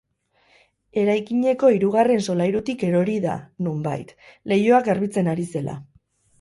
Eraikineko hirugarren solairutik erori da, nonbait, leihoak garbitzen ari zela.